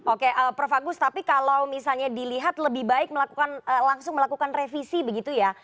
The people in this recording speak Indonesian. oke prof agus tapi kalau misalnya dilihat lebih baik melakukan langsung melakukan revisi begitu ya